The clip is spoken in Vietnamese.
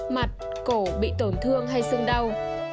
mặt cổ bị tổn thương hay sưng đau